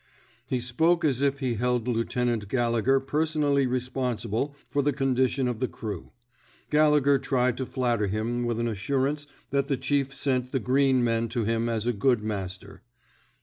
" He spoke as if he held Lieutenant Galle gher personally responsible for the condi tion of the crew. Gallegher tried to flatter him with an assurance that the chief sent the green men to him as a good master.